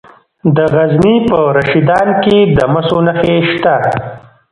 د غزني په رشیدان کې د مسو نښې شته.